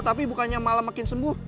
tapi bukannya malam makin sembuh